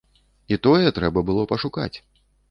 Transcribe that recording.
І тое, трэба было пашукаць.